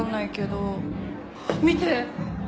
見て！